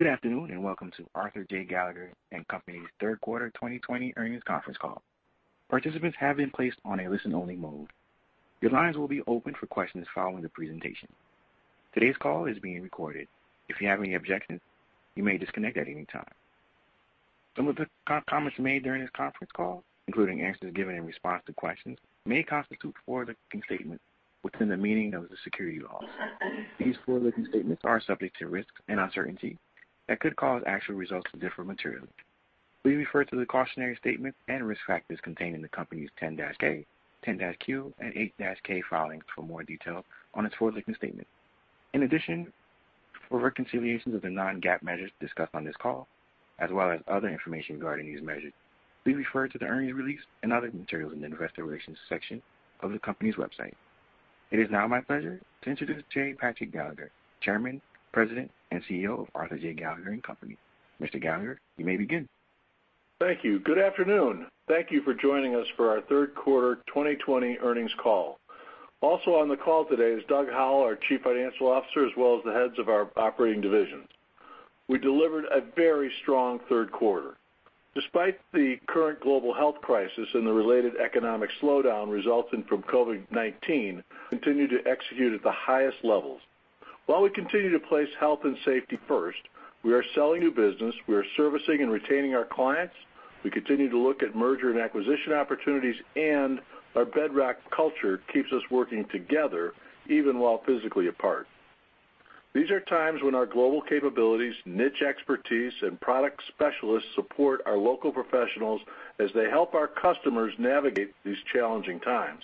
Good afternoon and welcome to Arthur J. Gallagher & Company's Third Quarter 2020 Earnings Conference Call. Participants have been placed on a listen-only mode. Your lines will be open for questions following the presentation. Today's call is being recorded. If you have any objections, you may disconnect at any time. Some of the comments made during this conference call, including answers given in response to questions, may constitute forward-looking statements within the meaning of the security laws. These forward-looking statements are subject to risks and uncertainty that could cause actual results to differ materially. Please refer to the cautionary statements and risk factors contained in the Company's 10-K, 10-Q, and 8-K filings for more details on its forward-looking statements. In addition, for reconciliations of the non-GAAP measures discussed on this call, as well as other information regarding these measures, please refer to the earnings release and other materials in the investor relations section of the company's website. It is now my pleasure to introduce J. Patrick Gallagher, Chairman, President, and CEO of Arthur J. Gallagher & Company. Mr. Gallagher, you may begin. Thank you. Good afternoon. Thank you for joining us for our Third Quarter 2020 Earnings Call. Also on the call today is Doug Howell, our Chief Financial Officer, as well as the heads of our operating divisions. We delivered a very strong third quarter. Despite the current global health crisis and the related economic slowdown resulting from COVID-19, we continue to execute at the highest levels. While we continue to place health and safety first, we are selling new business, we are servicing and retaining our clients, we continue to look at merger and acquisition opportunities, and our bedrock culture keeps us working together even while physically apart. These are times when our global capabilities, niche expertise, and product specialists support our local professionals as they help our customers navigate these challenging times.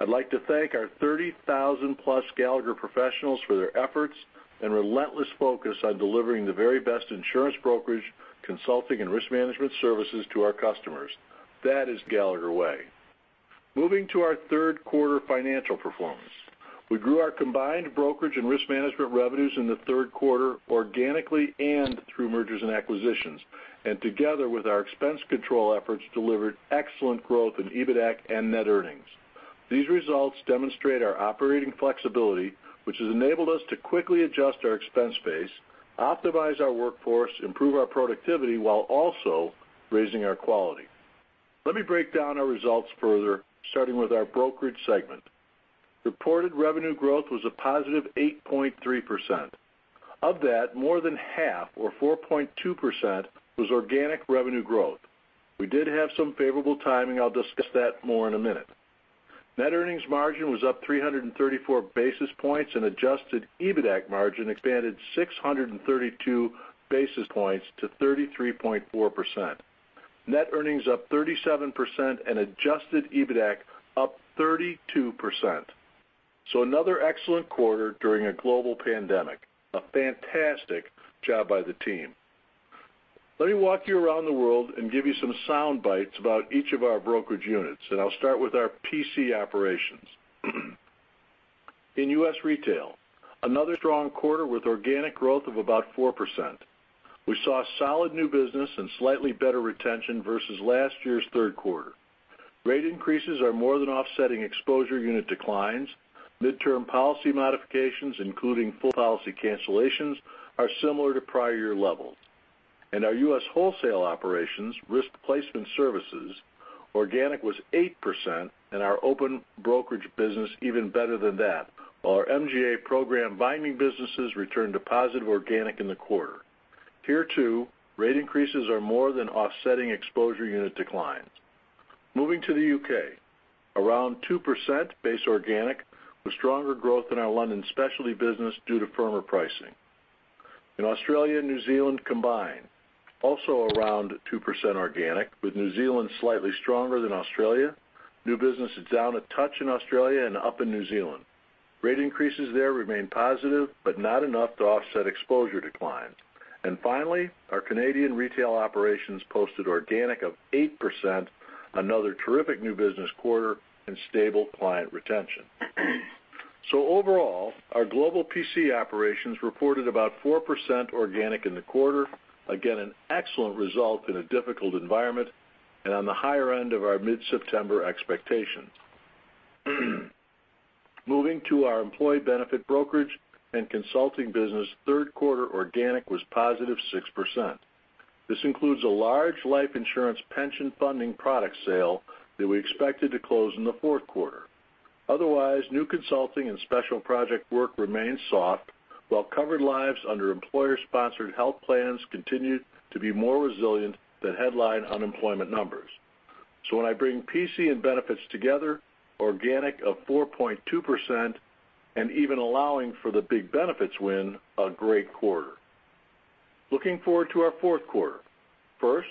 I'd like to thank our 30,000 plus Gallagher professionals for their efforts and relentless focus on delivering the very best insurance brokerage, consulting, and risk management services to our customers. That is Gallagher Way. Moving to our third quarter financial performance, we grew our combined brokerage and risk management revenues in the third quarter organically and through mergers and acquisitions, and together with our expense control efforts delivered excellent growth in EBITDA and net earnings. These results demonstrate our operating flexibility, which has enabled us to quickly adjust our expense base, optimize our workforce, improve our productivity while also raising our quality. Let me break down our results further, starting with our brokerage segment. Reported revenue growth was a positive 8.3%. Of that, more than half, or 4.2%, was organic revenue growth. We did have some favorable timing; I'll discuss that more in a minute. Net earnings margin was up 334 basis points, and adjusted EBITDA margin expanded 632 basis points to 33.4%. Net earnings up 37%, and adjusted EBITDA up 32%. Another excellent quarter during a global pandemic. A fantastic job by the team. Let me walk you around the world and give you some sound bites about each of our brokerage units, and I'll start with our P&C operations. In U.S. Retail, another strong quarter with organic growth of about 4%. We saw solid new business and slightly better retention versus last year's third quarter. Rate increases are more than offsetting exposure unit declines. Midterm policy modifications, including full policy cancellations, are similar to prior year levels. In our U.S. Wholesale operations, Risk Placement Services, organic was 8%, and our Open Brokerage business even better than that, while our MGA program binding businesses returned a positive organic in the quarter. Here too, rate increases are more than offsetting exposure unit declines. Moving to the U.K., around 2% base organic with stronger growth in our London Specialty business due to firmer pricing. In Australia and New Zealand combined, also around 2% organic, with New Zealand slightly stronger than Australia. New business is down a touch in Australia and up in New Zealand. Rate increases there remain positive but not enough to offset exposure declines. Finally, our Canadian Retail operations posted organic of 8%, another terrific new business quarter and stable client retention. Overall, our global P&C operations reported about 4% organic in the quarter, again an excellent result in a difficult environment and on the higher end of our mid-September expectations. Moving to our employee benefit brokerage and consulting business, third quarter organic was positive 6%. This includes a large life insurance pension funding product sale that we expected to close in the fourth quarter. Otherwise, new consulting and special project work remained soft, while covered lives under employer-sponsored health plans continued to be more resilient than headline unemployment numbers. When I bring P&C and benefits together, organic of 4.2% and even allowing for the big benefits win a great quarter. Looking forward to our fourth quarter, first,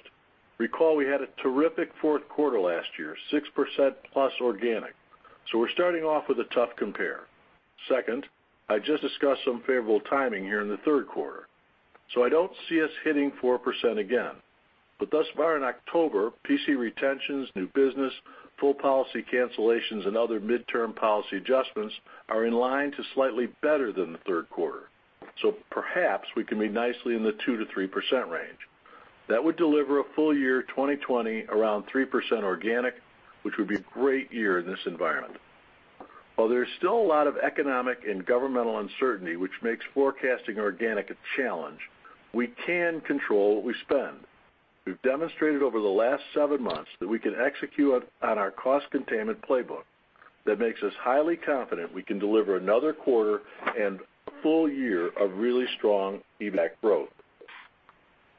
recall we had a terrific fourth quarter last year, 6% plus organic. We're starting off with a tough compare. Second, I just discussed some favorable timing here in the third quarter. I don't see us hitting 4% again. Thus far in October, P&C retentions, new business, full policy cancellations, and other midterm policy adjustments are in line to slightly better than the third quarter. Perhaps we can be nicely in the 2-3% range. That would deliver a full year 2020 around 3% organic, which would be a great year in this environment. While there is still a lot of economic and governmental uncertainty, which makes forecasting organic a challenge, we can control what we spend. We have demonstrated over the last seven months that we can execute on our cost containment playbook. That makes us highly confident we can deliver another quarter and a full year of really strong EBITDA growth.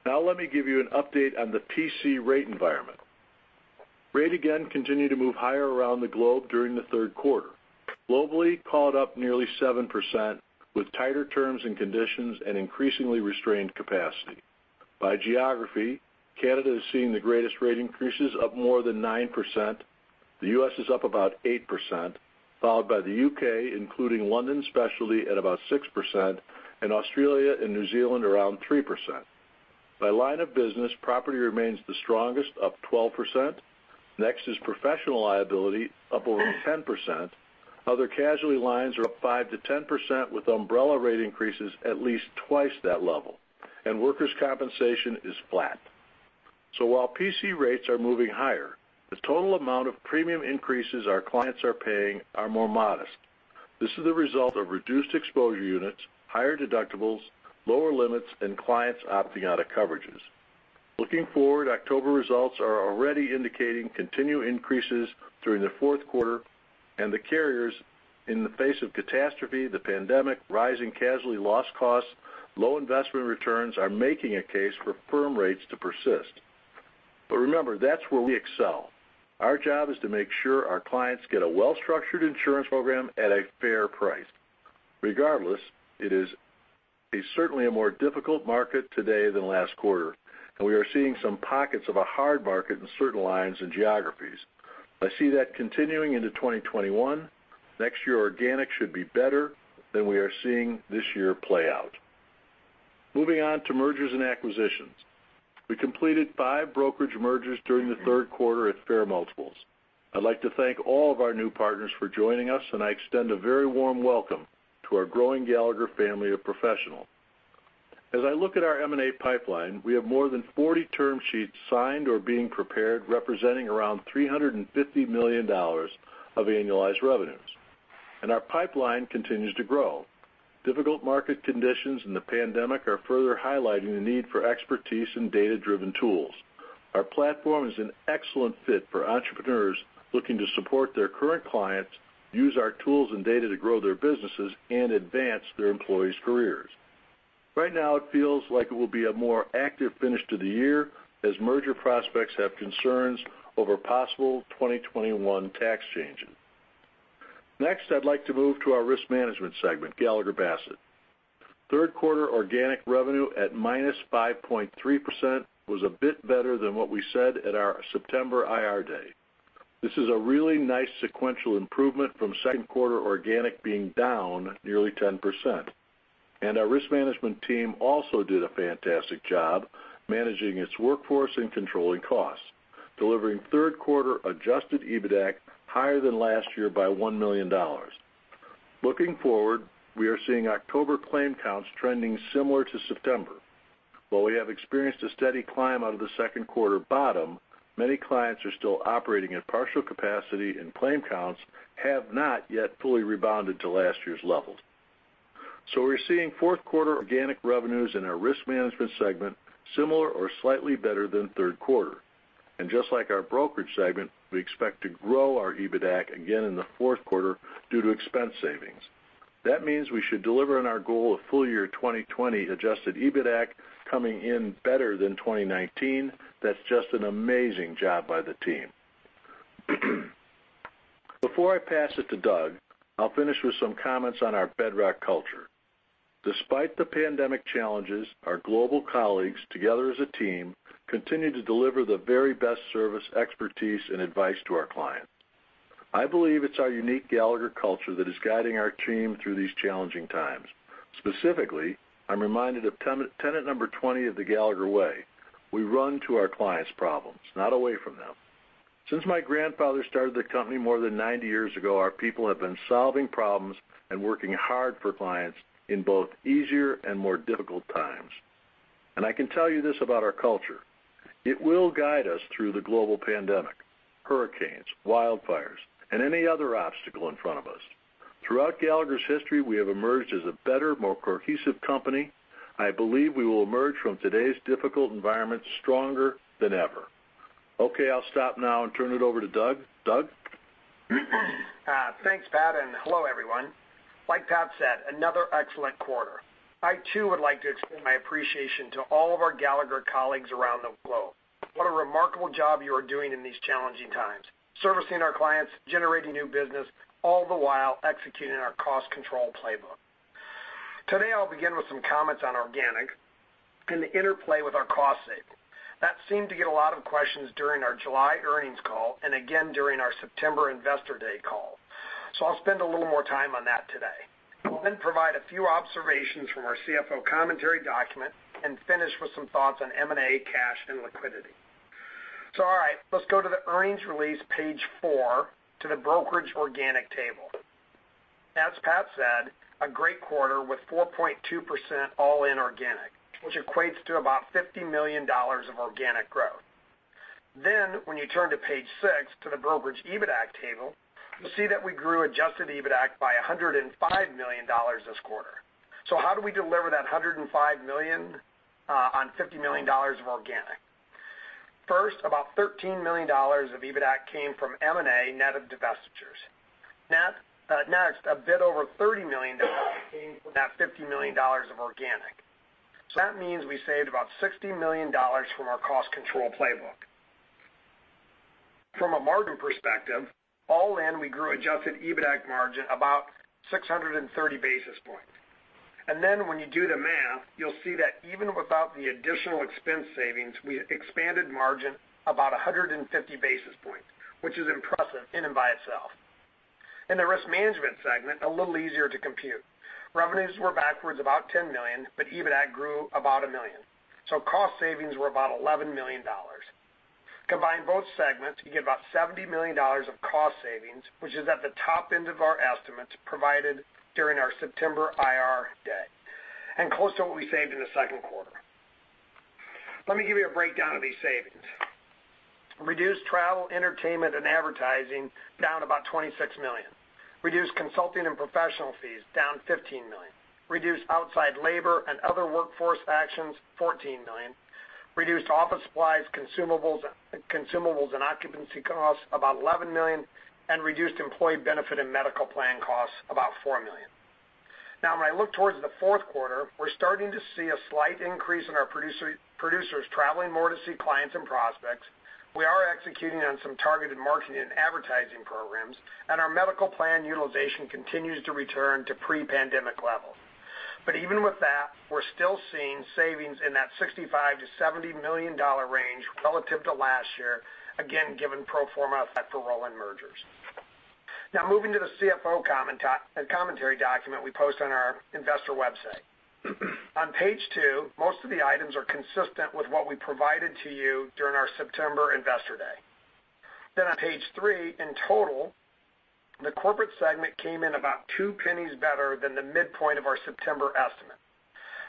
Now let me give you an update on the P&C rate environment. Rate again continued to move higher around the globe during the third quarter. Globally, call it up nearly 7% with tighter terms and conditions and increasingly restrained capacity. By geography, Canada is seeing the greatest rate increases of more than 9%. The U.S. is up about 8%, followed by the U.K., including London specialty at about 6%, and Australia and New Zealand around 3%. By line of business, property remains the strongest, up 12%. Next is professional liability, up over 10%. Other casualty lines are up 5-10% with umbrella rate increases at least twice that level. Workers' compensation is flat. While P&C rates are moving higher, the total amount of premium increases our clients are paying are more modest. This is the result of reduced exposure units, higher deductibles, lower limits, and clients opting out of coverages. Looking forward, October results are already indicating continued increases during the fourth quarter, and the carriers in the face of catastrophe, the pandemic, rising casualty loss costs, and low investment returns are making a case for firm rates to persist. Remember, that's where we excel. Our job is to make sure our clients get a well-structured insurance program at a fair price. Regardless, it is certainly a more difficult market today than last quarter, and we are seeing some pockets of a hard market in certain lines and geographies. I see that continuing into 2021. Next year, organic should be better than we are seeing this year play out. Moving on to mergers and acquisitions. We completed five brokerage mergers during the third quarter at fair multiples. I'd like to thank all of our new partners for joining us, and I extend a very warm welcome to our growing Gallagher family of professionals. As I look at our M&A pipeline, we have more than 40 term sheets signed or being prepared, representing around $350 million of annualized revenues. Our pipeline continues to grow. Difficult market conditions and the pandemic are further highlighting the need for expertise and data-driven tools. Our platform is an excellent fit for entrepreneurs looking to support their current clients, use our tools and data to grow their businesses, and advance their employees' careers. Right now, it feels like it will be a more active finish to the year as merger prospects have concerns over possible 2021 tax changes. Next, I'd like to move to our risk management segment, Gallagher Bassett. Third quarter organic revenue at -5.3% was a bit better than what we said at our September IR day. This is a really nice sequential improvement from second quarter organic being down nearly 10%. Our risk management team also did a fantastic job managing its workforce and controlling costs, delivering third quarter adjusted EBITDA higher than last year by $1 million. Looking forward, we are seeing October claim counts trending similar to September. While we have experienced a steady climb out of the second quarter bottom, many clients are still operating at partial capacity, and claim counts have not yet fully rebounded to last year's levels. We are seeing fourth quarter organic revenues in our risk management segment similar or slightly better than third quarter. Just like our brokerage segment, we expect to grow our EBITDA again in the fourth quarter due to expense savings. That means we should deliver on our goal of full year 2020 adjusted EBITDA coming in better than 2019. That is just an amazing job by the team. Before I pass it to Doug, I will finish with some comments on our bedrock culture. Despite the pandemic challenges, our global colleagues together as a team continue to deliver the very best service, expertise, and advice to our clients. I believe it's our unique Gallagher culture that is guiding our team through these challenging times. Specifically, I'm reminded of tenet number 20 of the Gallagher Way. We run to our clients' problems, not away from them. Since my grandfather started the company more than 90 years ago, our people have been solving problems and working hard for clients in both easier and more difficult times. I can tell you this about our culture. It will guide us through the global pandemic, hurricanes, wildfires, and any other obstacle in front of us. Throughout Gallagher's history, we have emerged as a better, more cohesive company. I believe we will emerge from today's difficult environment stronger than ever. Okay, I'll stop now and turn it over to Doug. Doug? Thanks, Pat, and hello everyone. Like Pat said, another excellent quarter. I too would like to extend my appreciation to all of our Gallagher colleagues around the globe. What a remarkable job you are doing in these challenging times, servicing our clients, generating new business, all the while executing our cost control playbook. Today, I'll begin with some comments on organic and the interplay with our cost savings. That seemed to get a lot of questions during our July earnings call and again during our September investor day call. I'll spend a little more time on that today. I'll then provide a few observations from our CFO Commentary document and finish with some thoughts on M&A cash and liquidity. All right, let's go to the earnings release page four to the brokerage organic table. As Pat said, a great quarter with 4.2% all in organic, which equates to about $50 million of organic growth. When you turn to page six to the brokerage EBITDA table, you'll see that we grew adjusted EBITDA by $105 million this quarter. How do we deliver that $105 million on $50 million of organic? First, about $13 million of EBITDA came from M&A net of divestitures. Next, a bit over $30 million came from that $50 million of organic. That means we saved about $60 million from our cost control playbook. From a margin perspective, all in, we grew adjusted EBITDA margin about 630 basis points. When you do the math, you'll see that even without the additional expense savings, we expanded margin about 150 basis points, which is impressive in and by itself. In the risk management segment, a little easier to compute. Revenues were backwards about $10 million, but EBITDA grew about $1 million. Cost savings were about $11 million. Combine both segments, you get about $70 million of cost savings, which is at the top end of our estimates provided during our September IR day and close to what we saved in the second quarter. Let me give you a breakdown of these savings. Reduced travel, entertainment, and advertising down about $26 million. Reduced consulting and professional fees down $15 million. Reduced outside labor and other workforce actions $14 million. Reduced office supplies, consumables, and occupancy costs about $11 million, and reduced employee benefit and medical plan costs about $4 million. Now, when I look towards the fourth quarter, we're starting to see a slight increase in our producers traveling more to see clients and prospects. We are executing on some targeted marketing and advertising programs, and our medical plan utilization continues to return to pre-pandemic levels. Even with that, we're still seeing savings in that $65-$70 million range relative to last year, again given pro forma effect for rolling mergers. Moving to the CFO Commentary document we post on our investor website. On page two, most of the items are consistent with what we provided to you during our September investor day. On page three, in total, the corporate segment came in about two pennies better than the midpoint of our September estimate.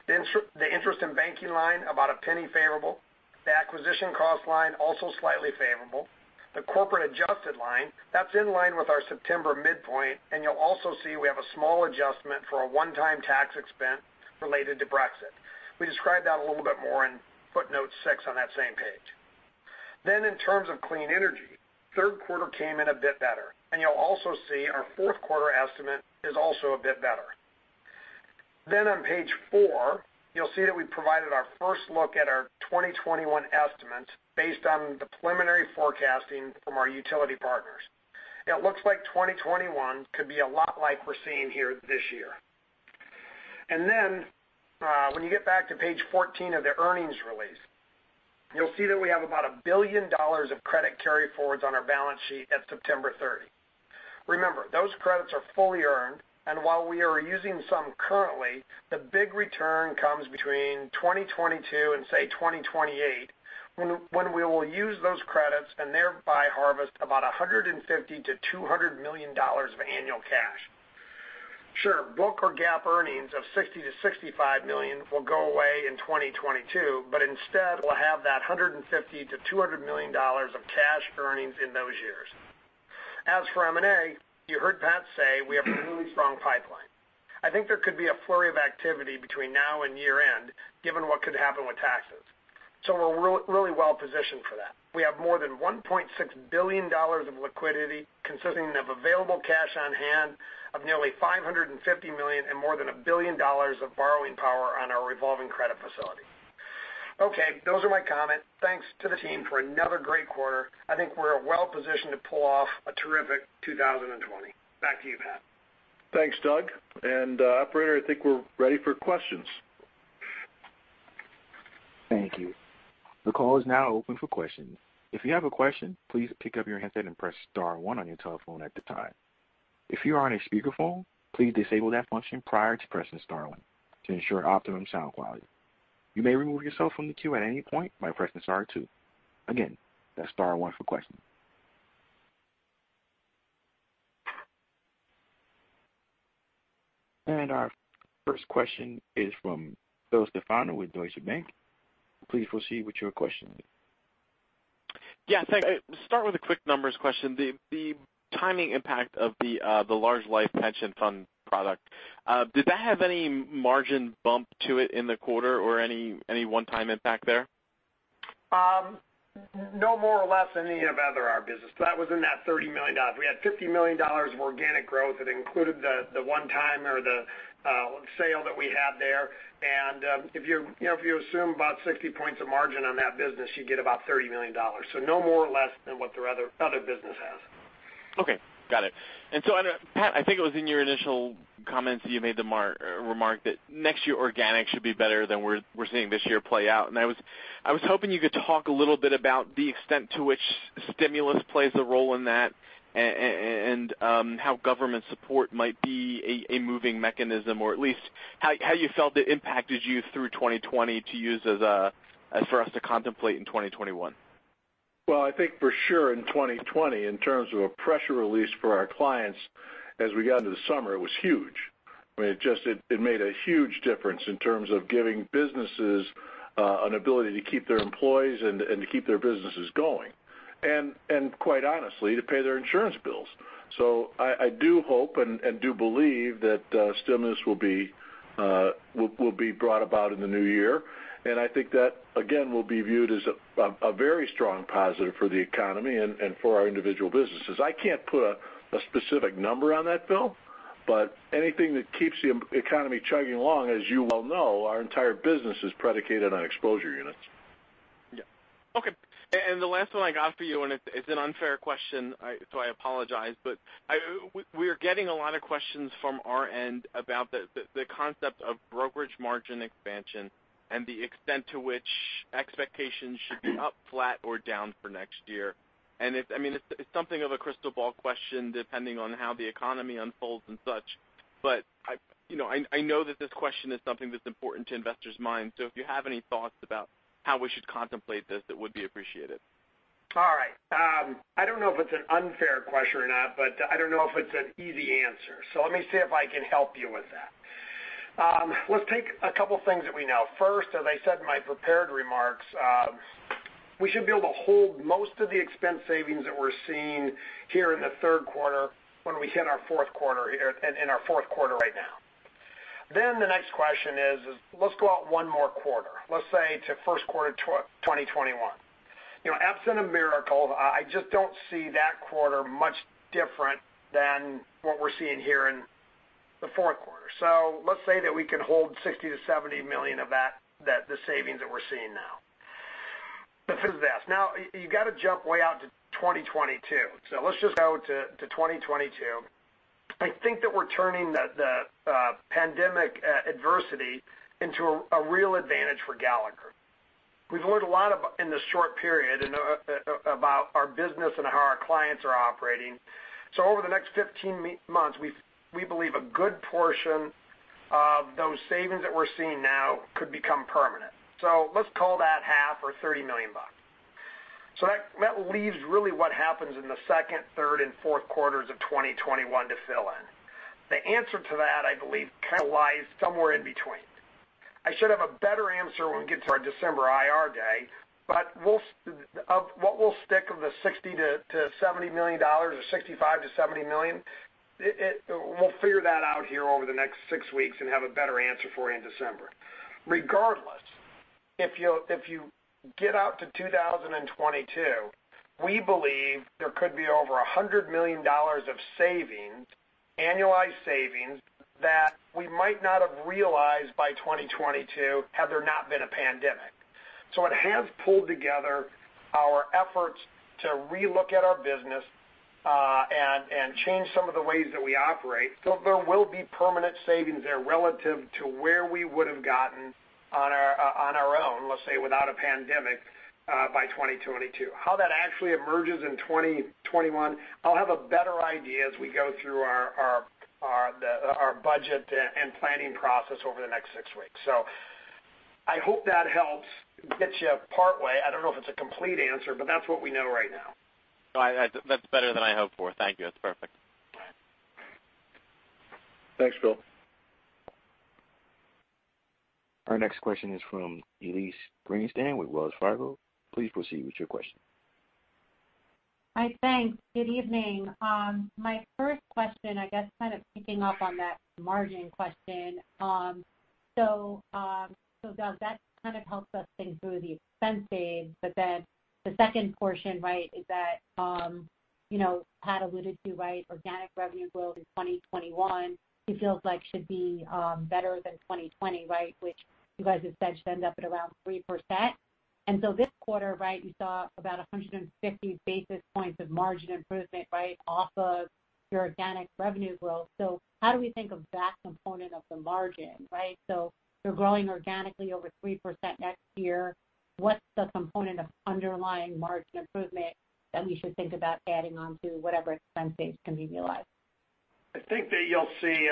The interest and banking line about a penny favorable, the acquisition cost line also slightly favorable, the corporate adjusted line, that's in line with our September midpoint, and you'll also see we have a small adjustment for a one-time tax expense related to Brexit. We describe that a little bit more in footnote six on that same page. In terms of Clean Energy, third quarter came in a bit better, and you'll also see our fourth quarter estimate is also a bit better. On page four, you'll see that we provided our first look at our 2021 estimates based on the preliminary forecasting from our utility partners. It looks like 2021 could be a lot like we're seeing here this year. When you get back to page 14 of the earnings release, you'll see that we have about $1 billion of credit carry forwards on our balance sheet at September 30. Remember, those credits are fully earned, and while we are using some currently, the big return comes between 2022 and say 2028 when we will use those credits and thereby harvest about $150 million-$200 million of annual cash. Sure, book or GAAP earnings of $60 million-$65 million will go away in 2022, but instead we'll have that $150 million-$200 million of cash earnings in those years. As for M&A, you heard Pat say we have a really strong pipeline. I think there could be a flurry of activity between now and year-end, given what could happen with taxes. We are really well positioned for that. We have more than $1.6 billion of liquidity consisting of available cash on hand of nearly $550 million and more than $1 billion of borrowing power on our revolving credit facility. Okay, those are my comments. Thanks to the team for another great quarter. I think we're well positioned to pull off a terrific 2020. Back to you, Pat. Thanks, Doug. Operator, I think we're ready for questions. Thank you. The call is now open for questions. If you have a question, please pick up your headset and press star one on your telephone at this time. If you are on a speakerphone, please disable that function prior to pressing star one to ensure optimum sound quality. You may remove yourself from the queue at any point by pressing star two. Again, that's star one for questions. Our first question is from Phil Stefano with Deutsche Bank. Please proceed with your question. Yeah. Start with a quick numbers question. The timing impact of the large life pension fund product, did that have any margin bump to it in the quarter or any one-time impact there? No more or less than any of our other business. That was in that $30 million. We had $50 million of organic growth. It included the one-time or the sale that we had there. If you assume about 60 points of margin on that business, you get about $30 million. No more or less than what their other business has. Okay. Got it. Pat, I think it was in your initial comments that you made the remark that next year organic should be better than we're seeing this year play out. I was hoping you could talk a little bit about the extent to which stimulus plays a role in that and how government support might be a moving mechanism, or at least how you felt it impacted you through 2020 to use as for us to contemplate in 2021. I think for sure in 2020, in terms of a pressure release for our clients, as we got into the summer, it was huge. I mean, it made a huge difference in terms of giving businesses an ability to keep their employees and to keep their businesses going. And quite honestly, to pay their insurance bills. I do hope and do believe that stimulus will be brought about in the new year. I think that, again, will be viewed as a very strong positive for the economy and for our individual businesses. I can't put a specific number on that, Phil. Anything that keeps the economy chugging along, as you well know, our entire business is predicated on exposure units. Yeah. Okay. The last one I got for you, and it's an unfair question, so I apologize, but we're getting a lot of questions from our end about the concept of brokerage margin expansion and the extent to which expectations should be up, flat, or down for next year. I mean, it's something of a crystal ball question depending on how the economy unfolds and such. I know that this question is something that's important to investors' minds. If you have any thoughts about how we should contemplate this, it would be appreciated. All right. I don't know if it's an unfair question or not, but I don't know if it's an easy answer. Let me see if I can help you with that. Let's take a couple of things that we know. First, as I said in my prepared remarks, we should be able to hold most of the expense savings that we're seeing here in the third quarter when we hit our fourth quarter in our fourth quarter right now. The next question is, let's go out one more quarter. Let's say to first quarter 2021. Absent of miracles, I just don't see that quarter much different than what we're seeing here in the fourth quarter. Let's say that we can hold $60 million-$70 million of the savings that we're seeing now. The thing is this. Now, you got to jump way out to 2022. Let's just go to 2022. I think that we're turning the pandemic adversity into a real advantage for Gallagher. We've learned a lot in this short period about our business and how our clients are operating. Over the next 15 months, we believe a good portion of those savings that we're seeing now could become permanent. Let's call that half or $30 million. That leaves really what happens in the second, third, and fourth quarters of 2021 to fill in. The answer to that, I believe, kind of lies somewhere in between. I should have a better answer when we get to our December IR day, but what will stick of the $60-$70 million or $65-$70 million? We'll figure that out here over the next six weeks and have a better answer for you in December. Regardless, if you get out to 2022, we believe there could be over $100 million of savings, annualized savings, that we might not have realized by 2022 had there not been a pandemic. It has pulled together our efforts to relook at our business and change some of the ways that we operate. There will be permanent savings there relative to where we would have gotten on our own, let's say without a pandemic by 2022. How that actually emerges in 2021, I'll have a better idea as we go through our budget and planning process over the next six weeks. I hope that helps get you partway. I don't know if it's a complete answer, but that's what we know right now. That's better than I hoped for. Thank you. That's perfect. Thanks, Phil. Our next question is from Elyse Greenspan with Wells Fargo. Please proceed with your question. Hi, thanks. Good evening. My first question, I guess kind of picking up on that margin question. Doug, that kind of helps us think through the expenses. The second portion, right, is that Pat alluded to, right, organic revenue growth in 2021, he feels like should be better than 2020, right, which you guys have said should end up at around 3%. This quarter, right, you saw about 150 basis points of margin improvement, right, off of your organic revenue growth. How do we think of that component of the margin, right? You're growing organically over 3% next year. What's the component of underlying margin improvement that we should think about adding on to whatever expenses can be realized? I think that you'll see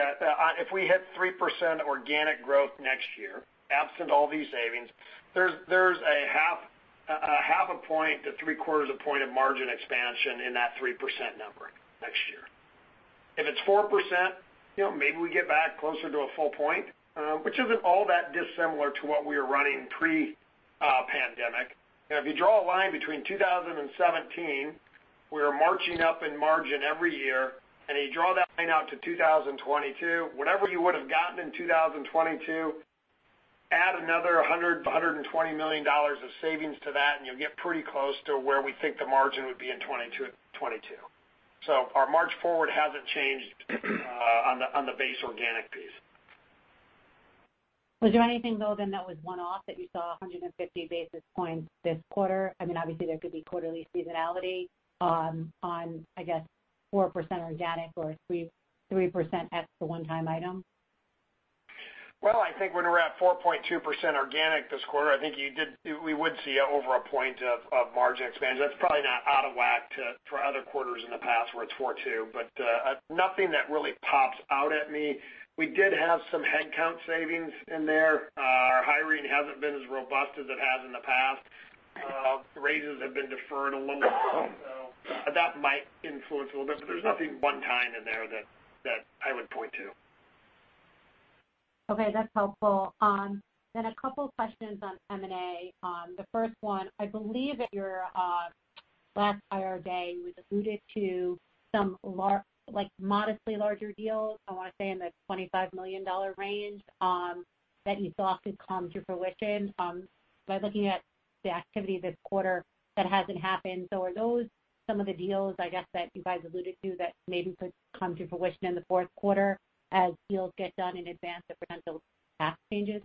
if we hit 3% organic growth next year, absent all these savings, there's a half a point to three-quarters a point of margin expansion in that 3% number next year. If it's 4%, maybe we get back closer to a full point, which isn't all that dissimilar to what we were running pre-pandemic. If you draw a line between 2017, we were marching up in margin every year. If you draw that line out to 2022, whatever you would have gotten in 2022, add another $100-$120 million of savings to that, and you'll get pretty close to where we think the margin would be in 2022. Our march forward hasn't changed on the base organic piece. Was there anything, Doug, that was one-off that you saw 150 basis points this quarter? I mean, obviously, there could be quarterly seasonality on, I guess, 4% organic or 3% X the one-time item? I think when we're at 4.2% organic this quarter, I think we would see over a point of margin expansion. That's probably not out of whack for other quarters in the past where it's 4.2%, but nothing that really pops out at me. We did have some headcount savings in there. Our hiring hasn't been as robust as it has in the past. Raises have been deferred a little bit. That might influence a little bit, but there's nothing one-time in there that I would point to. Okay. That's helpful. A couple of questions on M&A. The first one, I believe your last IR day, you had alluded to some modestly larger deals, I want to say in the $25 million range that you thought could come to fruition. By looking at the activity this quarter, that has not happened. Are those some of the deals, I guess, that you guys alluded to that maybe could come to fruition in the fourth quarter as deals get done in advance of potential tax changes?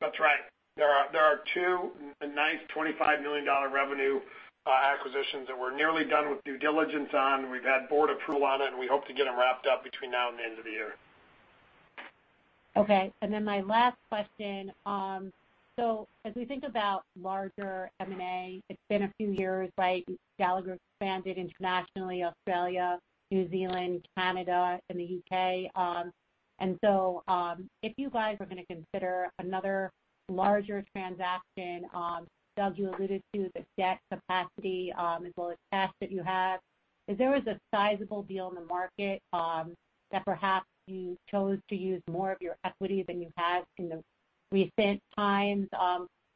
That's right. There are two nice $25 million revenue acquisitions that we're nearly done with due diligence on. We've had board approval on it, and we hope to get them wrapped up between now and the end of the year. Okay. My last question. As we think about larger M&A, it's been a few years, right? Gallagher expanded internationally: Australia, New Zealand, Canada, and the U.K. If you guys were going to consider another larger transaction, Doug, you alluded to the debt capacity as well as cash that you have. If there was a sizable deal in the market that perhaps you chose to use more of your equity than you have in recent times,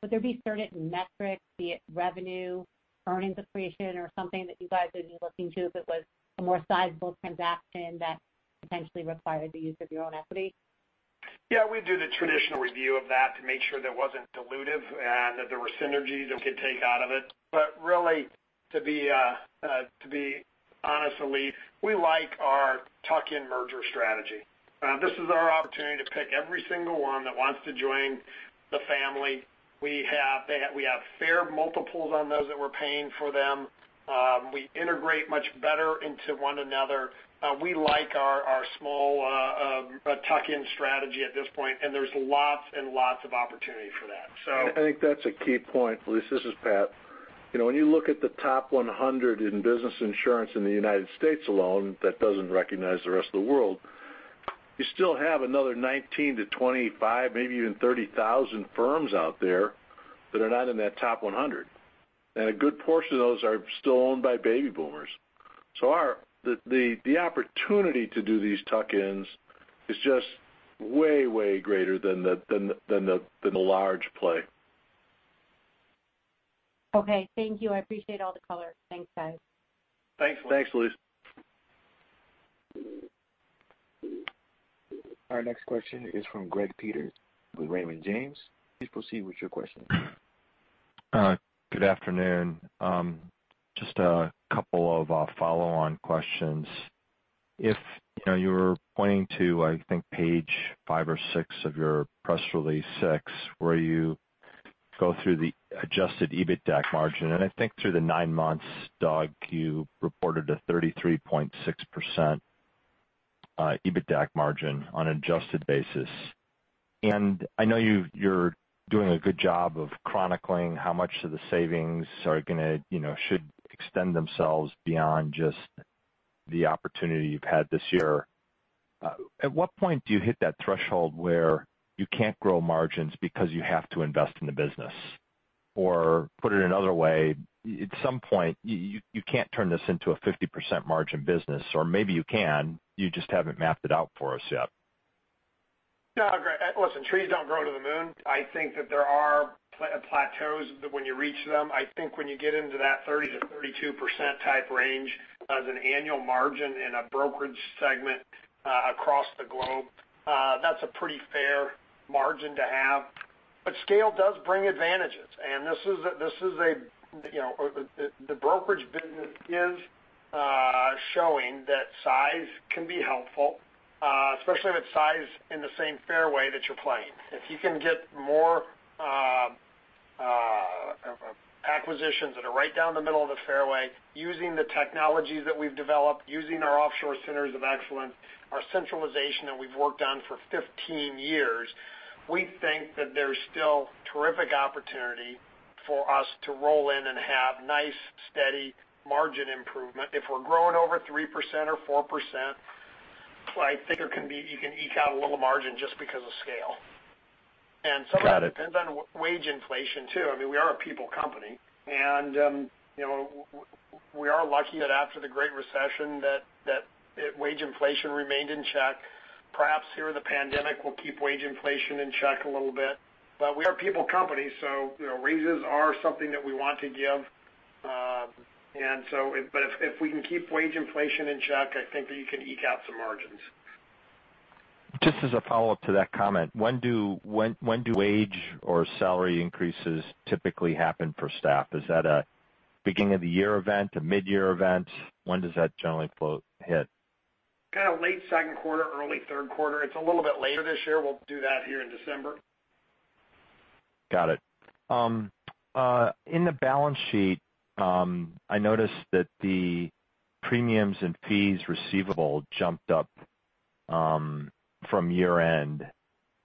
would there be certain metrics, be it revenue, earnings accretion, or something that you guys would be looking to if it was a more sizable transaction that potentially required the use of your own equity? Yeah. We'd do the traditional review of that to make sure that it wasn't dilutive and that there were synergies we could take out of it. Really, to be honest and lean, we like our tuck-in merger strategy. This is our opportunity to pick every single one that wants to join the family. We have fair multiples on those that we're paying for them. We integrate much better into one another. We like our small tuck-in strategy at this point, and there's lots and lots of opportunity for that. I think that's a key point. Elyse, this is Pat. When you look at the top 100 in business insurance in the U.S. alone, that doesn't recognize the rest of the world, you still have another 19,000-25,000, maybe even 30,000 firms out there that are not in that top 100. A good portion of those are still owned by baby boomers. The opportunity to do these tuck-ins is just way, way greater than the large play. Okay. Thank you. I appreciate all the colors. Thanks, guys. Thanks, Elyse. Thanks, Elyse. Our next question is from Greg Peters with Raymond James. Please proceed with your question. Good afternoon. Just a couple of follow-on questions. If you were pointing to, I think, page five or six of your press release, where you go through the adjusted EBITDA margin. I think through the nine months, Doug, you reported a 33.6% EBITDA margin on an adjusted basis. I know you're doing a good job of chronicling how much of the savings are going to should extend themselves beyond just the opportunity you've had this year. At what point do you hit that threshold where you can't grow margins because you have to invest in the business? Or put it another way, at some point, you can't turn this into a 50% margin business, or maybe you can. You just haven't mapped it out for us yet. Yeah. Listen, trees don't grow to the moon. I think that there are plateaus when you reach them. I think when you get into that 30-32% type range as an annual margin in a brokerage segment across the globe, that's a pretty fair margin to have. Scale does bring advantages. This is a, the brokerage business is showing that size can be helpful, especially with size in the same fairway that you're playing. If you can get more acquisitions that are right down the middle of the fairway using the technologies that we've developed, using our offshore centers of excellence, our centralization that we've worked on for 15 years, we think that there's still terrific opportunity for us to roll in and have nice, steady margin improvement. If we're growing over 3% or 4%, I think you can eke out a little margin just because of scale. I mean, we are a people company. And we are lucky that after the Great Recession, that wage inflation remained in check. Perhaps here the pandemic will keep wage inflation in check a little bit. We are a people company, so raises are something that we want to give. If we can keep wage inflation in check, I think that you can eke out some margins. Just as a follow-up to that comment, when do wage or salary increases typically happen for staff? Is that a beginning of the year event, a mid-year event? When does that generally hit? Kind of late second quarter, early third quarter. It's a little bit later this year. We'll do that here in December. Got it. In the balance sheet, I noticed that the premiums and fees receivable jumped up from year-end.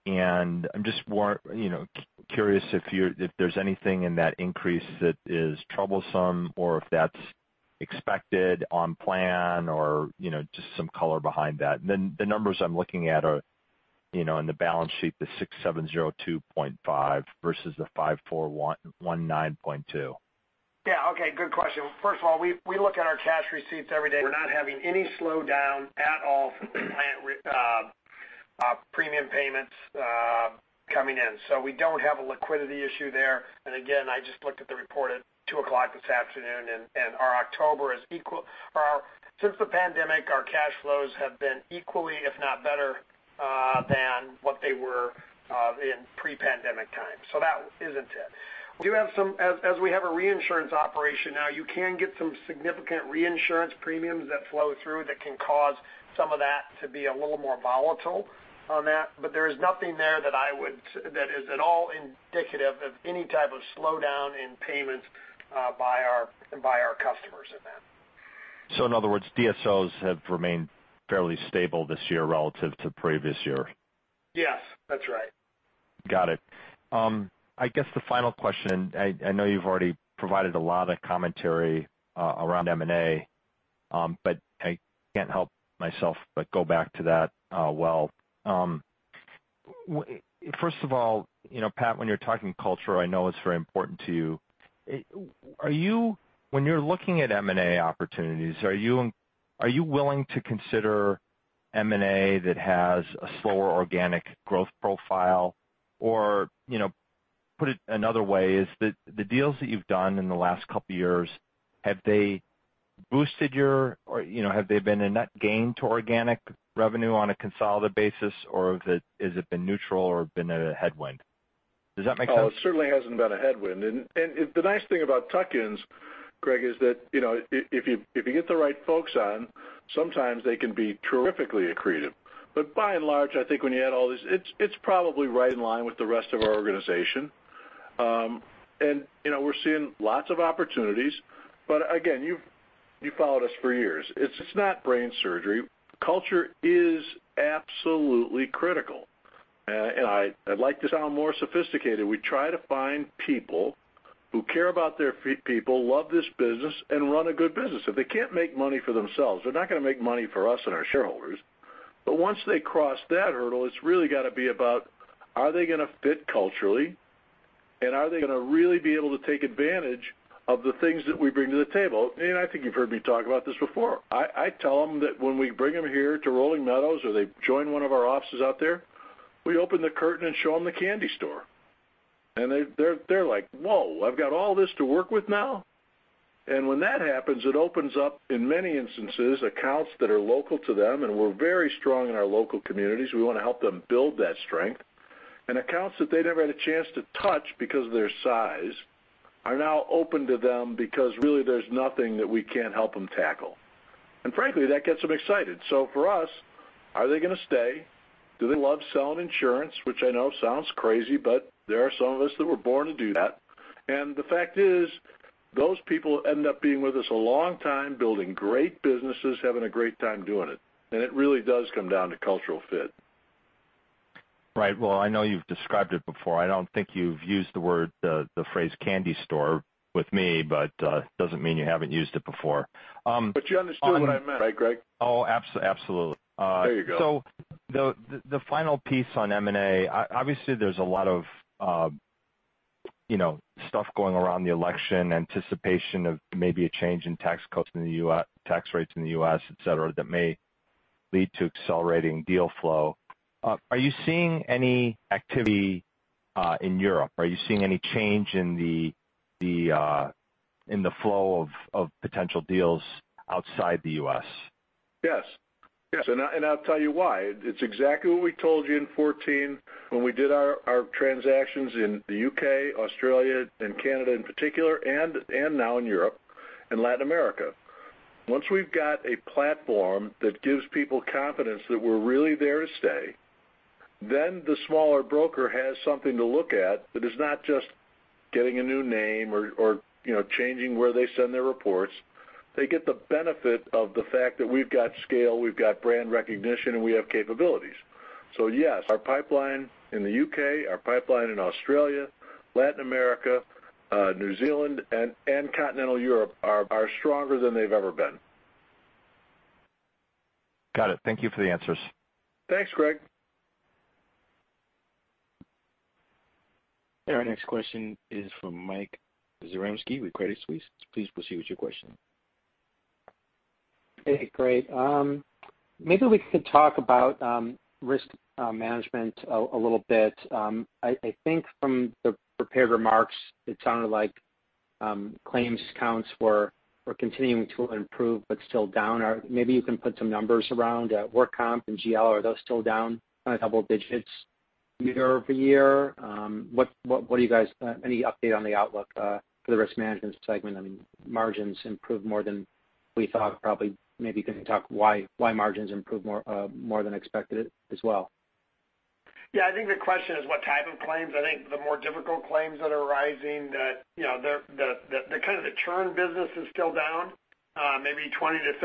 I'm just curious if there's anything in that increase that is troublesome or if that's expected on plan or just some color behind that. The numbers I'm looking at are in the balance sheet, the $6,702.5 versus the $5,419.2. Yeah. Okay. Good question. First of all, we look at our cash receipts every day. We're not having any slowdown at all from the plant premium payments coming in. We don't have a liquidity issue there. Again, I just looked at the report at 2:00 P.M. this afternoon, and our October is equal since the pandemic, our cash flows have been equally, if not better, than what they were in pre-pandemic times. That isn't it. We do have some, as we have a reinsurance operation now, you can get some significant reinsurance premiums that flow through that can cause some of that to be a little more volatile on that. There is nothing there that is at all indicative of any type of slowdown in payments by our customers in that. In other words, DSOs have remained fairly stable this year relative to previous year? Yes. That's right. Got it. I guess the final question, and I know you've already provided a lot of commentary around M&A, but I can't help myself but go back to that well. First of all, Pat, when you're talking culture, I know it's very important to you. When you're looking at M&A opportunities, are you willing to consider M&A that has a slower organic growth profile? Or put it another way, is that the deals that you've done in the last couple of years, have they boosted your, or have they been a net gain to organic revenue on a consolidated basis, or has it been neutral or been a headwind? Does that make sense? Oh, it certainly hasn't been a headwind. The nice thing about tuck-ins, Greg, is that if you get the right folks on, sometimes they can be terrifically accretive. By and large, I think when you add all these, it's probably right in line with the rest of our organization. We're seeing lots of opportunities. You have followed us for years. It's not brain surgery. Culture is absolutely critical. I'd like to sound more sophisticated. We try to find people who care about their people, love this business, and run a good business. If they can't make money for themselves, they're not going to make money for us and our shareholders. Once they cross that hurdle, it's really got to be about, are they going to fit culturally, and are they going to really be able to take advantage of the things that we bring to the table? I think you've heard me talk about this before. I tell them that when we bring them here to Rolling Meadows or they join one of our offices out there, we open the curtain and show them the candy store. They're like, "Whoa, I've got all this to work with now." When that happens, it opens up, in many instances, accounts that are local to them, and we're very strong in our local communities. We want to help them build that strength. Accounts that they never had a chance to touch because of their size are now open to them because really there's nothing that we can't help them tackle. Frankly, that gets them excited. For us, are they going to stay? Do they love selling insurance, which I know sounds crazy, but there are some of us that were born to do that. The fact is, those people end up being with us a long time, building great businesses, having a great time doing it. It really does come down to cultural fit. Right. I know you've described it before. I don't think you've used the phrase candy store with me, but it doesn't mean you haven't used it before. You understood what I meant, right, Greg? Oh, absolutely. There you go. The final piece on M&A, obviously, there's a lot of stuff going around the election, anticipation of maybe a change in tax codes in the U.S., tax rates in the U.S., etc., that may lead to accelerating deal flow. Are you seeing any activity in Europe? Are you seeing any change in the flow of potential deals outside the U.S.? Yes. Yes. I'll tell you why. It's exactly what we told you in 2014 when we did our transactions in the U.K., Australia, and Canada in particular, and now in Europe and Latin America. Once we've got a platform that gives people confidence that we're really there to stay, the smaller broker has something to look at that is not just getting a new name or changing where they send their reports. They get the benefit of the fact that we've got scale, we've got brand recognition, and we have capabilities. Yes, our pipeline in the U.K., our pipeline in Australia, Latin America, New Zealand, and continental Europe are stronger than they've ever been. Got it. Thank you for the answers. Thanks, Greg. Our next question is from Mike Zaremski with Credit Suisse. Please proceed with your question. Hey, Greg. Maybe we could talk about risk management a little bit. I think from the prepared remarks, it sounded like claims counts were continuing to improve but still down. Maybe you can put some numbers around Work Comp and GL, are those still down a couple of digits year over year? Do you guys have any update on the outlook for the risk management segment? I mean, margins improved more than we thought. Probably maybe you can talk why margins improved more than expected as well. Yeah. I think the question is what type of claims. I think the more difficult claims that are rising, that kind of the churn business is still down, maybe 20-30%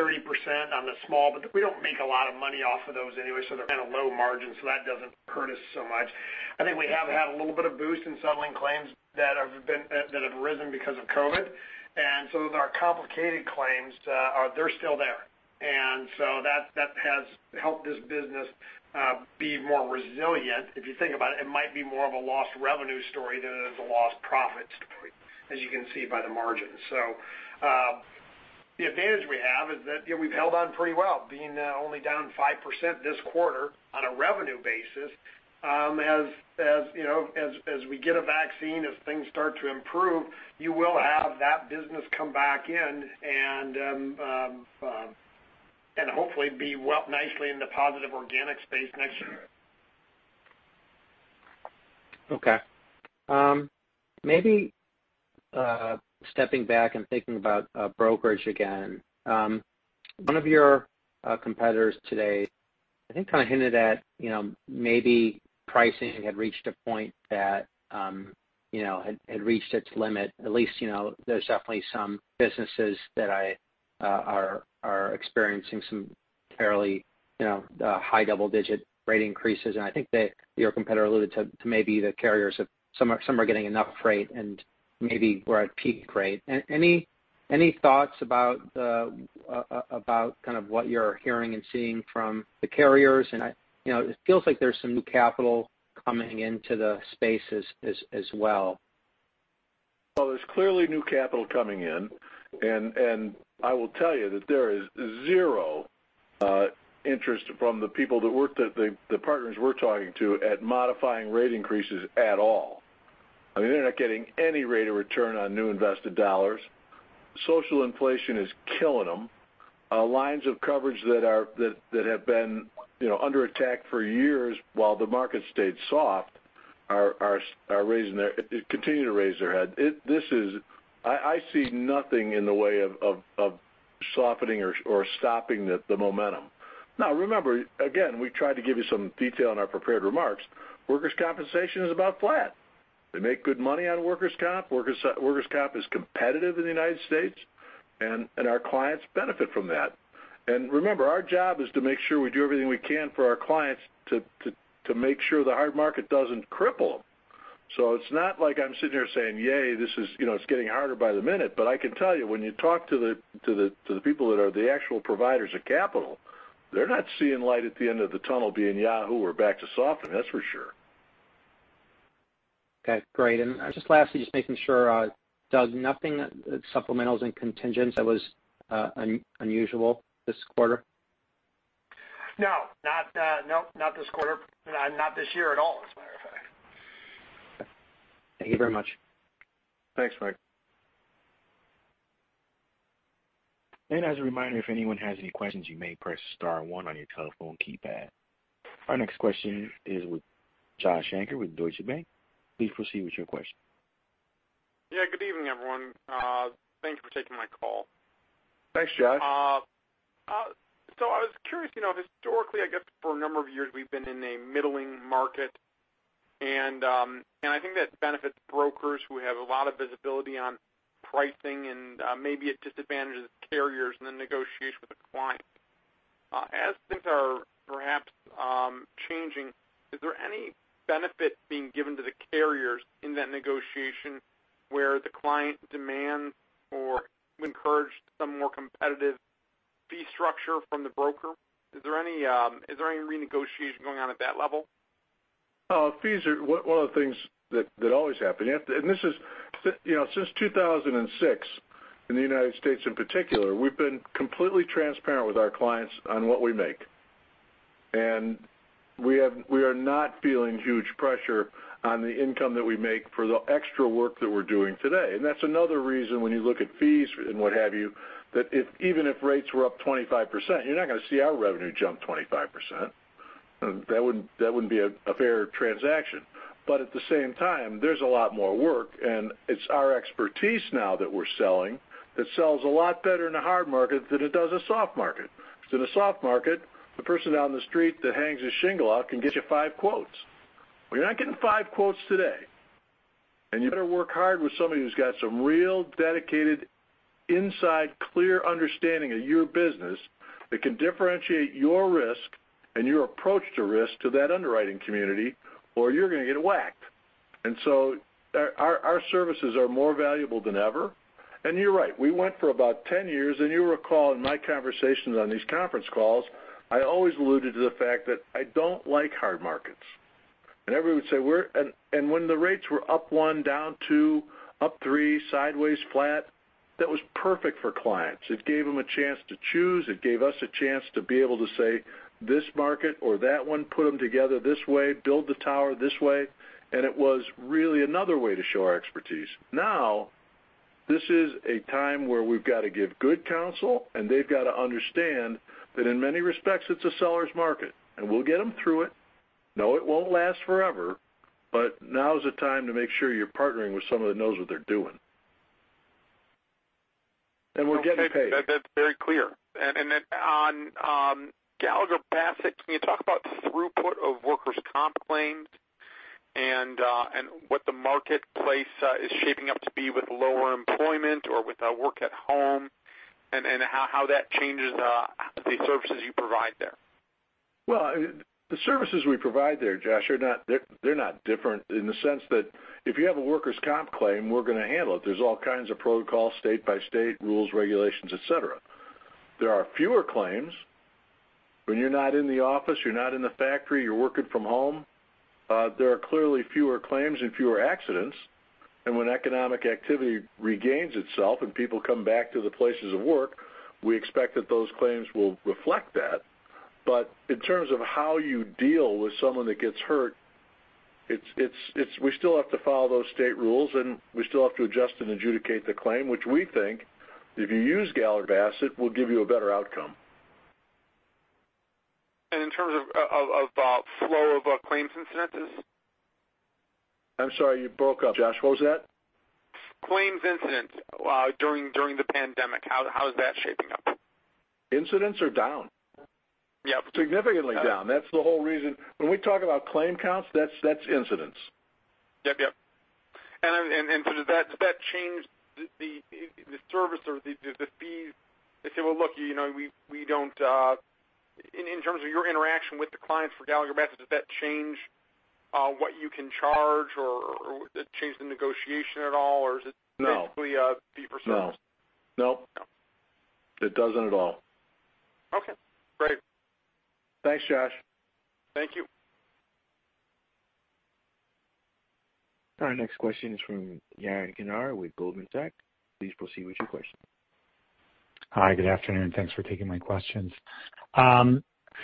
on the small, but we do not make a lot of money off of those anyway, so they are kind of low margins, so that does not hurt us so much. I think we have had a little bit of boost in settling claims that have risen because of COVID. Our complicated claims, they are still there. That has helped this business be more resilient. If you think about it, it might be more of a lost revenue story than it is a lost profit story, as you can see by the margins. The advantage we have is that we have held on pretty well, being only down 5% this quarter on a revenue basis. As we get a vaccine, as things start to improve, you will have that business come back in and hopefully be nicely in the positive organic space next year. Okay. Maybe stepping back and thinking about brokerage again, one of your competitors today, I think kind of hinted at maybe pricing had reached a point that had reached its limit. At least there's definitely some businesses that are experiencing some fairly high double-digit rate increases. I think that your competitor alluded to maybe the carriers of some are getting enough freight and maybe we're at peak rate. Any thoughts about kind of what you're hearing and seeing from the carriers? It feels like there's some new capital coming into the space as well. There is clearly new capital coming in. I will tell you that there is zero interest from the people that work, the partners we are talking to, at modifying rate increases at all. I mean, they are not getting any rate of return on new invested dollars. Social inflation is killing them. Lines of coverage that have been under attack for years while the market stayed soft are continuing to raise their head. I see nothing in the way of softening or stopping the momentum. Now, remember, again, we tried to give you some detail in our prepared remarks. Workers' compensation is about flat. They make good money on workers' comp. Workers' comp is competitive in the United States, and our clients benefit from that. Remember, our job is to make sure we do everything we can for our clients to make sure the hard market does not cripple them. It's not like I'm sitting here saying, "Yay, this is getting harder by the minute." I can tell you, when you talk to the people that are the actual providers of capital, they're not seeing light at the end of the tunnel being yahoo or back to softening. That's for sure. Okay. Great. Just lastly, just making sure, Doug, nothing supplementals and contingents that was unusual this quarter? No. Nope. Not this quarter. Not this year at all, as a matter of fact. Okay. Thank you very much. Thanks, Mike. As a reminder, if anyone has any questions, you may press star one on your telephone keypad. Our next question is with Josh Shanker with Deutsche Bank. Please proceed with your question. Yeah. Good evening, everyone. Thank you for taking my call. Thanks, Josh. I was curious, historically, I guess for a number of years, we've been in a middling market. I think that benefits brokers who have a lot of visibility on pricing and maybe a disadvantage of the carriers in the negotiation with the client. As things are perhaps changing, is there any benefit being given to the carriers in that negotiation where the client demands or encouraged some more competitive fee structure from the broker? Is there any renegotiation going on at that level? Fees are one of the things that always happen. Since 2006 in the United States in particular, we've been completely transparent with our clients on what we make. We are not feeling huge pressure on the income that we make for the extra work that we're doing today. That's another reason when you look at fees and what have you, that even if rates were up 25%, you're not going to see our revenue jump 25%. That wouldn't be a fair transaction. At the same time, there's a lot more work, and it's our expertise now that we're selling that sells a lot better in a hard market than it does a soft market. In a soft market, the person down the street that hangs his shingle out can get you five quotes. You're not getting five quotes today. You better work hard with somebody who's got some real dedicated inside clear understanding of your business that can differentiate your risk and your approach to risk to that underwriting community, or you're going to get whacked. Our services are more valuable than ever. You're right. We went for about 10 years. You'll recall in my conversations on these conference calls, I always alluded to the fact that I don't like hard markets. Everyone would say, "We're—" and when the rates were up one, down two, up three, sideways, flat, that was perfect for clients. It gave them a chance to choose. It gave us a chance to be able to say, "This market or that one, put them together this way, build the tower this way." It was really another way to show our expertise. Now, this is a time where we've got to give good counsel, and they've got to understand that in many respects, it's a seller's market. We'll get them through it. No, it won't last forever. Now's the time to make sure you're partnering with someone that knows what they're doing. We're getting paid. That's very clear. On Gallagher, Patrick, can you talk about the throughput of workers' comp claims and what the marketplace is shaping up to be with lower employment or with work at home and how that changes the services you provide there? The services we provide there, Josh, they're not different in the sense that if you have a workers' comp claim, we're going to handle it. There's all kinds of protocols, state-by-state rules, regulations, etc. There are fewer claims when you're not in the office, you're not in the factory, you're working from home. There are clearly fewer claims and fewer accidents. When economic activity regains itself and people come back to the places of work, we expect that those claims will reflect that. In terms of how you deal with someone that gets hurt, we still have to follow those state rules, and we still have to adjust and adjudicate the claim, which we think if you use Gallagher Bassett, will give you a better outcome. In terms of flow of claims incidences? I'm sorry, you broke up, Josh. What was that? Claims incidents during the pandemic. How is that shaping up? Incidents are down. Yep. Significantly down. That's the whole reason. When we talk about claim counts, that's incidents. Yep, yep. Does that change the service or the fee? They say, "Well, look, we don't—" in terms of your interaction with the clients for Gallagher Bassett, does that change what you can charge or change the negotiation at all, or is it basically fee for service? No. Nope. It doesn't at all. Okay. Great. Thanks, Josh. Thank you. Our next question is from Yaron Kinar with Goldman Sachs. Please proceed with your question. Hi, good afternoon. Thanks for taking my questions. A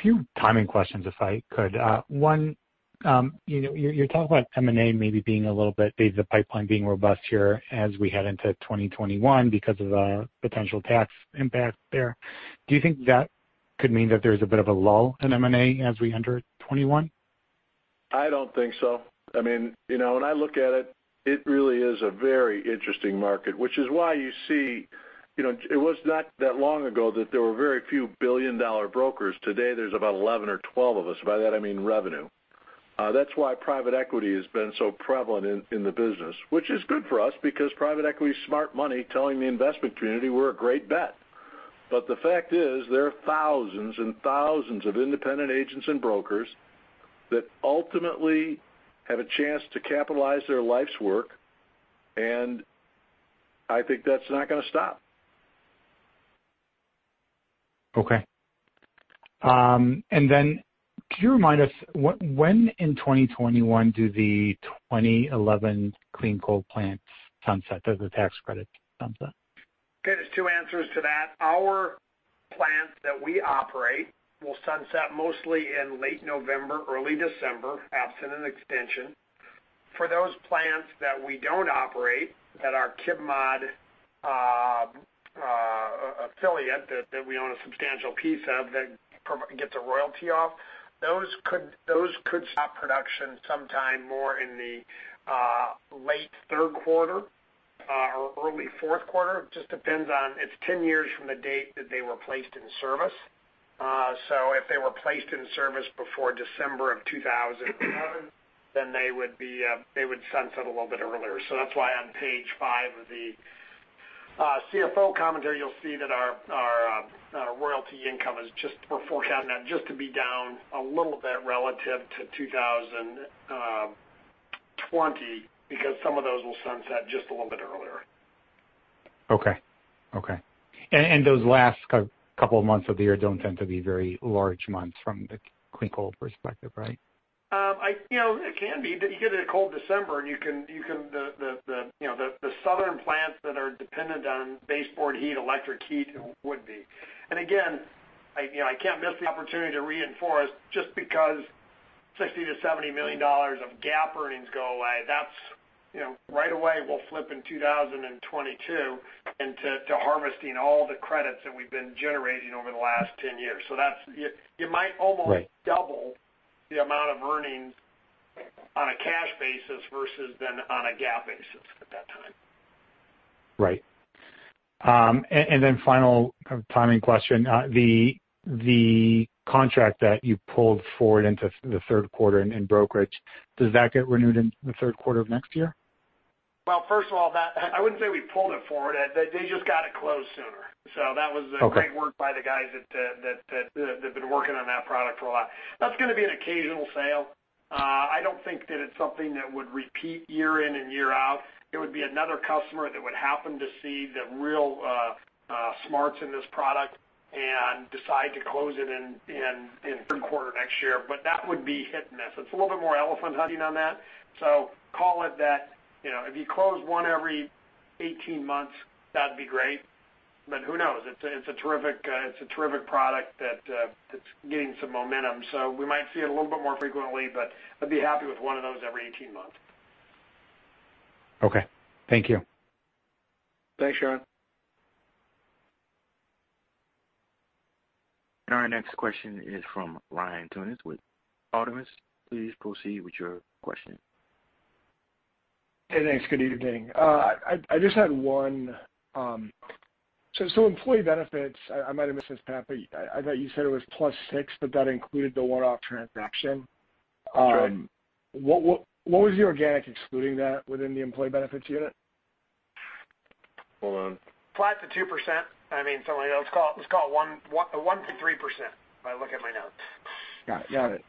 few timing questions, if I could. One, you're talking about M&A maybe being a little bit—the pipeline being robust here as we head into 2021 because of the potential tax impact there. Do you think that could mean that there's a bit of a lull in M&A as we enter 2021? I don't think so. I mean, when I look at it, it really is a very interesting market, which is why you see it was not that long ago that there were very few billion-dollar brokers. Today, there's about 11 or 12 of us. By that, I mean revenue. That's why private equity has been so prevalent in the business, which is good for us because private equity's smart money telling the investment community, "We're a great bet." The fact is there are thousands and thousands of independent agents and brokers that ultimately have a chance to capitalize their life's work. I think that's not going to stop. Okay. Could you remind us, when in 2021 do the 2011 clean coal plants sunset? Does the tax credit sunset? There is two answers to that. Our plants that we operate will sunset mostly in late November, early December, absent an extension. For those plants that we do not operate, that are Chem-Mod affiliate that we own a substantial piece of that gets a royalty off, those could stop production sometime more in the late third quarter or early fourth quarter. It just depends on—it is 10 years from the date that they were placed in service. If they were placed in service before December of 2011, then they would sunset a little bit earlier. That is why on page five of the CFO Commentary, you will see that our royalty income is just—we are forecasting that just to be down a little bit relative to 2020 because some of those will sunset just a little bit earlier. Okay. Okay. Those last couple of months of the year don't tend to be very large months from the clean coal perspective, right? It can be. You get into cold December, and you can—the southern plants that are dependent on baseboard heat, electric heat would be. I can't miss the opportunity to reinforce just because $60 million-$70 million of GAAP earnings go away, that right away will flip in 2022 into harvesting all the credits that we've been generating over the last 10 years. You might almost double the amount of earnings on a cash basis versus then on a GAAP basis at that time. Right. Final timing question. The contract that you pulled forward into the third quarter in brokerage, does that get renewed in the third quarter of next year? First of all, I wouldn't say we pulled it forward. They just got it closed sooner. That was the great work by the guys that have been working on that product for a while. That's going to be an occasional sale. I don't think that it's something that would repeat year in and year out. It would be another customer that would happen to see the real smarts in this product and decide to close it in the third quarter next year. That would be hit and miss. It's a little bit more elephant hunting on that. Call it that. If you close one every 18 months, that'd be great. Who knows? It's a terrific product that's getting some momentum. We might see it a little bit more frequently, but I'd be happy with one of those every 18 months. Okay. Thank you. Thanks, John. Our next question is from Ryan Tunis with Autonomous. Please proceed with your question. Hey, thanks. Good evening. I just had one—so employee benefits, I might have missed this, Pat, but I thought you said it was plus 6%, but that included the one-off transaction. What was the organic excluding that within the employee benefits unit? Hold on. Flat to 2%. I mean, let's call it 1.3% if I look at my notes. Got it. Got it.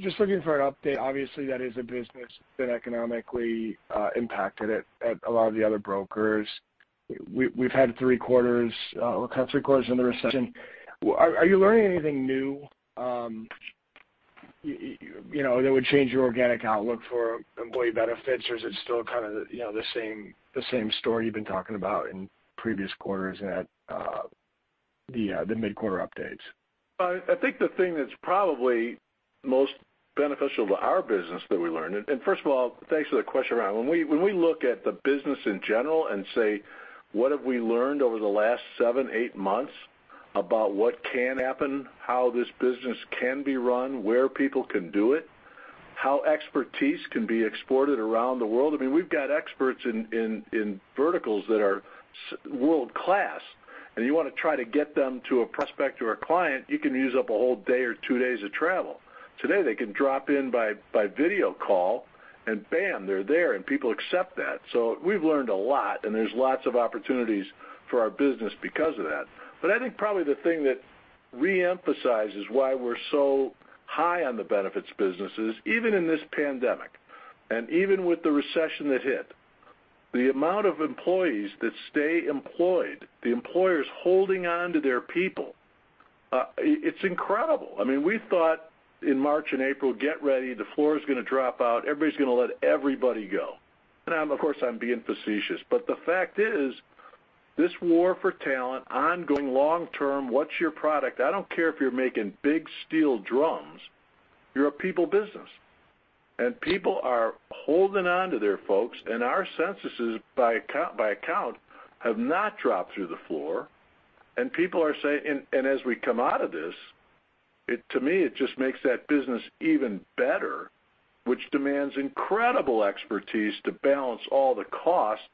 Just looking for an update, obviously, that is a business that economically impacted a lot of the other brokers. We've had three quarters—we're kind of three quarters in the recession. Are you learning anything new that would change your organic outlook for employee benefits, or is it still kind of the same story you've been talking about in previous quarters and at the mid-quarter updates? I think the thing that's probably most beneficial to our business that we learned—and first of all, thanks for the question, Ryan—when we look at the business in general and say, "What have we learned over the last seven, eight months about what can happen, how this business can be run, where people can do it, how expertise can be exported around the world?" I mean, we've got experts in verticals that are world-class. You want to try to get them to a prospect or a client, you can use up a whole day or two days of travel. Today, they can drop in by video call, and bam, they're there, and people accept that. We have learned a lot, and there are lots of opportunities for our business because of that. I think probably the thing that reemphasizes why we're so high on the benefits businesses, even in this pandemic and even with the recession that hit, the amount of employees that stay employed, the employers holding on to their people, it's incredible. I mean, we thought in March and April, "Get ready. The floor is going to drop out. Everybody's going to let everybody go." Of course, I'm being facetious. The fact is, this war for talent, ongoing long-term, what's your product? I don't care if you're making big steel drums. You're a people business. People are holding on to their folks. Our censuses, by account, have not dropped through the floor. People are saying—as we come out of this, to me, it just makes that business even better, which demands incredible expertise to balance all the costs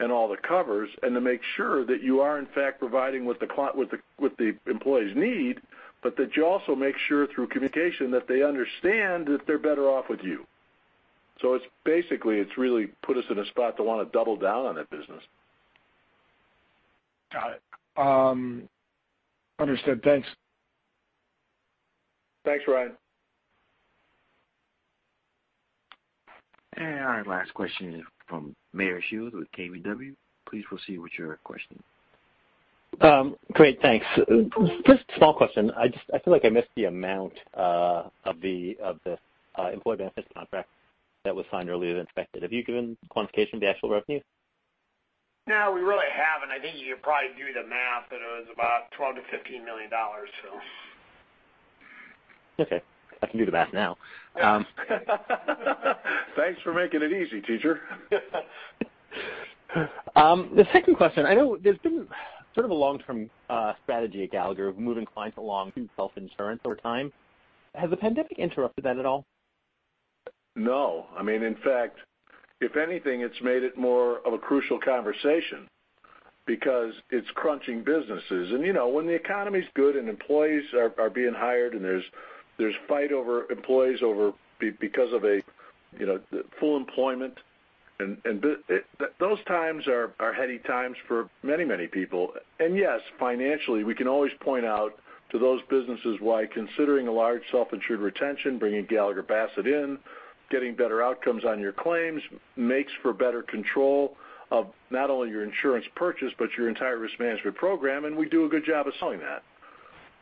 and all the covers and to make sure that you are, in fact, providing what the employees need, but that you also make sure through communication that they understand that they're better off with you. Basically, it's really put us in a spot to want to double down on that business. Got it. Understood. Thanks. Thanks, Ryan. Our last question is from Meyer Shields with KBW. Please proceed with your question. Great. Thanks. Just a small question. I feel like I missed the amount of the employee benefits contract that was signed earlier than expected. Have you given quantification of the actual revenue? No, we really haven't. I think you could probably do the math, and it was about $12 million-$15 million, so. Okay. I can do the math now. Thanks for making it easy, teacher. The second question, I know there's been sort of a long-term strategy at Gallagher of moving clients along to self-insurance over time. Has the pandemic interrupted that at all? No. I mean, in fact, if anything, it's made it more of a crucial conversation because it's crunching businesses. When the economy's good and employees are being hired and there's fight over employees because of full employment, those times are heady times for many, many people. Yes, financially, we can always point out to those businesses why considering a large self-insured retention, bringing Gallagher Bassett in, getting better outcomes on your claims makes for better control of not only your insurance purchase but your entire risk management program. We do a good job of selling that.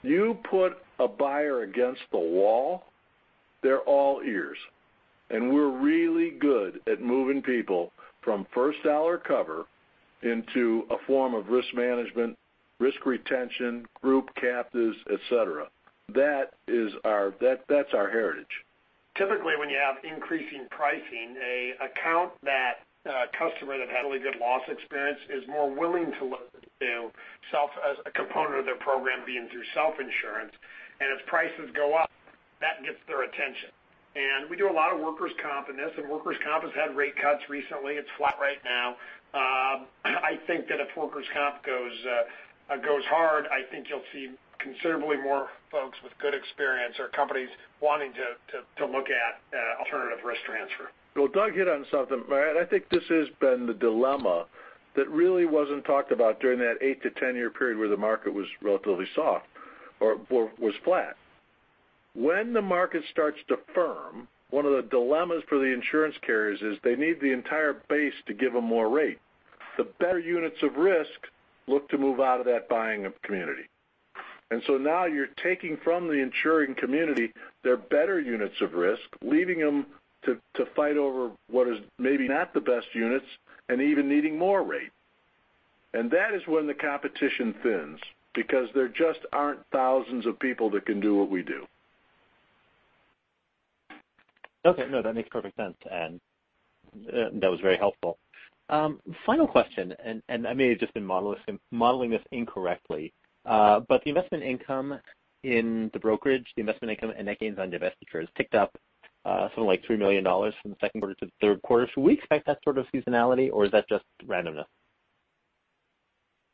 You put a buyer against the wall, they're all ears. We're really good at moving people from first dollar cover into a form of risk management, risk retention, group captives, etc. That's our heritage. Typically, when you have increasing pricing, a customer that had really good loss experience is more willing to look at a component of their program being through self-insurance. If prices go up, that gets their attention. We do a lot of workers' comp in this. Workers' comp has had rate cuts recently. It's flat right now. I think that if workers' comp goes hard, I think you'll see considerably more folks with good experience or companies wanting to look at alternative risk transfer. Doug hit on something, Ryan. I think this has been the dilemma that really wasn't talked about during that 8 to 10-year period where the market was relatively soft or was flat. When the market starts to firm, one of the dilemmas for the insurance carriers is they need the entire base to give them more rate. The better units of risk look to move out of that buying community. Now you're taking from the insuring community their better units of risk, leaving them to fight over what is maybe not the best units and even needing more rate. That is when the competition thins because there just aren't thousands of people that can do what we do. Okay. No, that makes perfect sense. That was very helpful. Final question. I may have just been modeling this incorrectly. The investment income in the brokerage, the investment income and net gains on divestitures ticked up something like $3 million from the second quarter to the third quarter. Do we expect that sort of seasonality, or is that just randomness?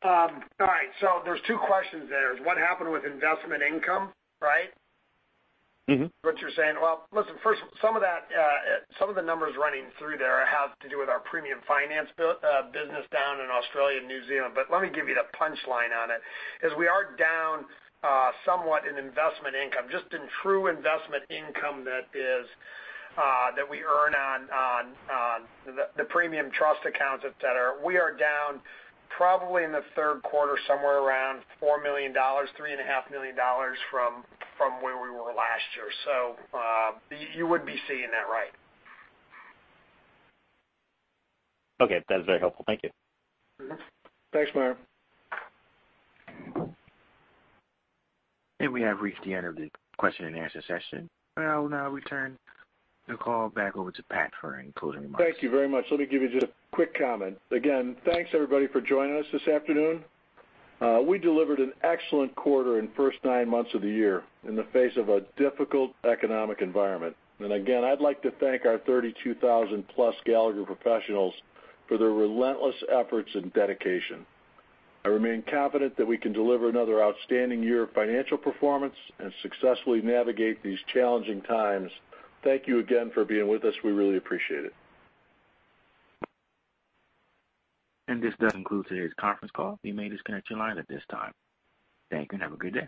All right. There are two questions there. What happened with investment income, right? Mm-hmm. What you're saying? First, some of the numbers running through there have to do with our premium finance business down in Australia and New Zealand. Let me give you the punchline on it. As we are down somewhat in investment income, just in true investment income that we earn on the premium trust accounts, etc., we are down probably in the third quarter somewhere around $4 million, $3.5 million from where we were last year. You would be seeing that, right? Okay. That is very helpful. Thank you. Thanks, Meyer. We have reached the end of the question and answer session. I will now return the call back over to Pat for closing remarks. Thank you very much. Let me give you just a quick comment. Again, thanks everybody for joining us this afternoon. We delivered an excellent quarter in the first nine months of the year in the face of a difficult economic environment. Again, I'd like to thank our 32,000-plus Gallagher professionals for their relentless efforts and dedication. I remain confident that we can deliver another outstanding year of financial performance and successfully navigate these challenging times. Thank you again for being with us. We really appreciate it. This does conclude today's conference call. We may disconnect your line at this time. Thank you and have a great day.